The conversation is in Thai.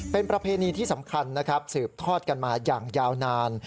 เป็นประเพณีที่สำคัญนะครับสืบทอดกันมาอย่างยาวนาน